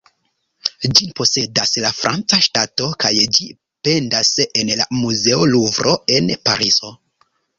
Ĝin posedas la franca ŝtato kaj ĝi pendas en la muzeo Luvro en Parizo.